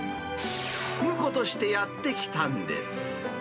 婿としてやって来たんです。